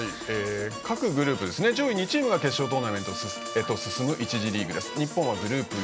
各グループ上位２チームが決勝ナメントに進む１次リーグです。